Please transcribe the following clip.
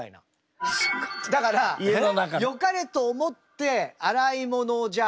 だからよかれと思って洗い物をじゃあ。